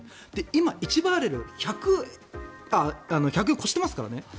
今、１バレル１００ドル超してますからね。